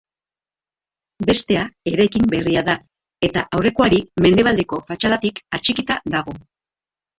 Bestea eraikin berria da eta aurrekoari mendebaldeko fatxadatik atxikita dago.